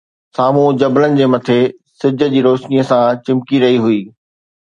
سامهون جبلن جي مٽي سج جي روشنيءَ سان چمڪي رهي هئي